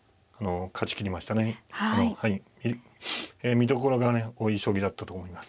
見どころがね多い将棋だったと思います。